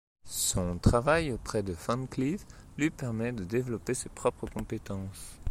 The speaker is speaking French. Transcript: Son travail auprès de Van Cleave lui permet de développer ses propres compétences.